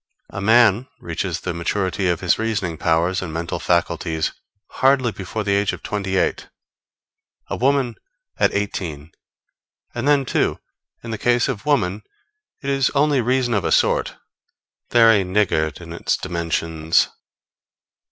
A man reaches the maturity of his reasoning powers and mental faculties hardly before the age of twenty eight; a woman at eighteen. And then, too, in the case of woman, it is only reason of a sort very niggard in its dimensions.